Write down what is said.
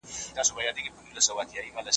ښار وضعیت د امنیت لپاره څارل کېږي.